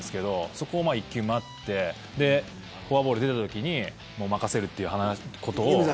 そこを１球待ってフォアボールで出たときに任せるということを。